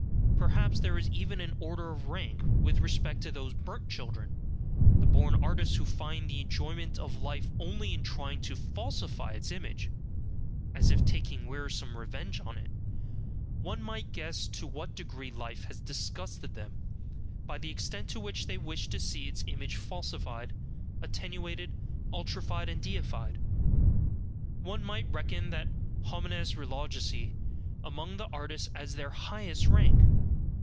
Perhaps there is even an order of rank with respect to those burnt children, the born artists who find the enjoyment of life only in trying to FALSIFY its image (as if taking wearisome revenge on it), one might guess to what degree life has disgusted them, by the extent to which they wish to see its image falsified, attenuated, ultrified, and deified, one might reckon the homines religiosi among the artists, as their HIGHEST rank.